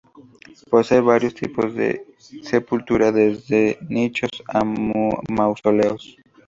Posee variados tipos de sepultura, desde nichos a mausoleos.